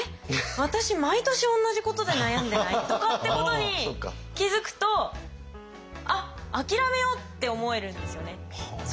私毎年同じことで悩んでない？」とかってことに気付くと「あっ諦めよう」って思えるんですよね。